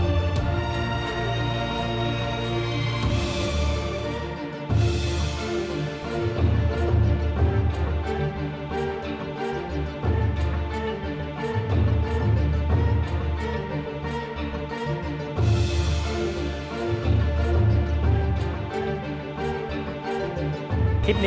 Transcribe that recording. แกร่งจริง